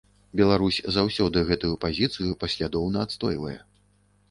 Беларусь заўсёды гэтую пазіцыю паслядоўна адстойвае.